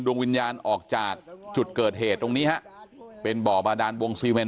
ดวงวิญญาณออกจากจุดเกิดเหตุตรงนี้ฮะเป็นบ่อบาดานวงซีเมน